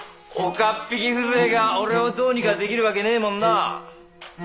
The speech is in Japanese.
岡っ引き風情が俺をどうにかできるわけねぇもんな？